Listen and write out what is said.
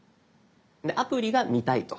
アプリが見たいと。